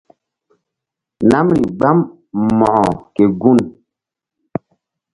Namri gbam Mo̧ko ke gun.